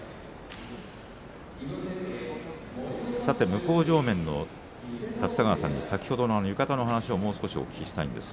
向正面の立田川さんに先ほどの浴衣の話をもう少しお聞きします。